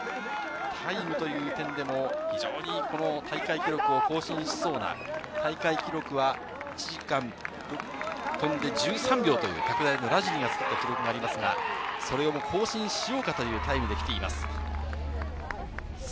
タイムという点でも非常に、この大会記録を更新しそうな大会記録は、１時間、飛んで１３秒という拓大のラジニの記録がありますが、それを更新しようかというタイムで来ています。